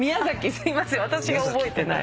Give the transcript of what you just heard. すいません私が覚えてない。